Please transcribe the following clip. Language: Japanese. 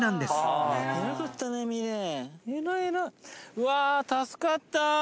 うわ助かった！